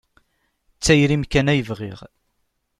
D tayri-m kan ay bɣiɣ.